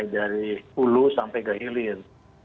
dari ulu sampai ke ilir